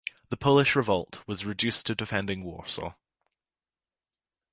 The Polish revolt was reduced to defending Warsaw.